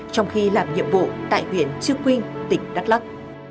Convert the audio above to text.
trong khi làm nhiệm vụ tại huyện trương quyên tỉnh đắk lắk